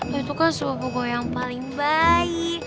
lo itu kan subuh gue yang paling baik